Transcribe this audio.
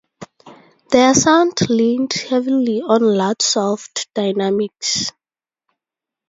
Their sound leaned heavily on loud-soft dynamics.